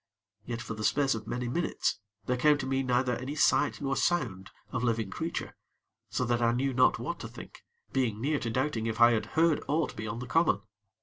Yet, for the space of many minutes, there came to me neither any sight nor sound of living creature; so that I knew not what to think, being near to doubting if I had heard aught beyond the common.